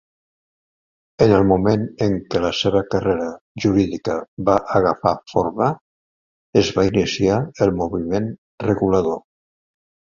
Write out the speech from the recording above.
En el moment en què la seva carrera jurídica va agafar forma, es va iniciar el Moviment Regulador.